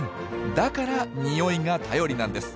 だからニオイが頼りなんです。